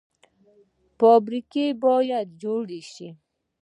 فابریکې باید جوړې شي